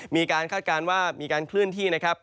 คาดการณ์ว่ามีการเคลื่อนที่นะครับ